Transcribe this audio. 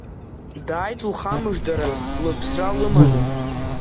Дааит лхамыждараз, лыԥсра лыманы.